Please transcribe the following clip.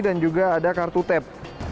dan juga ada kartu tap